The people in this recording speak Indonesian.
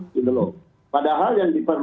gitu loh padahal yang diperlukan